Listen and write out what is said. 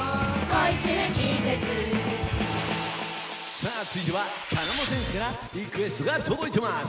さあつづいては茶の間戦士からリクエストがとどいてます。